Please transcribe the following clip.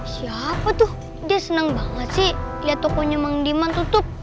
siapa tuh dia senang banget sih lihat tokonya bang diman tutup